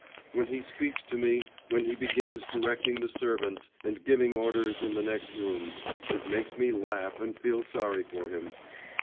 When he speaks to me, when he begins directing the servants, and giving orders in the next room, it makes me laugh and feel sorry for him.